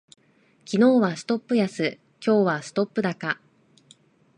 昨日はストップ安、今日はストップ高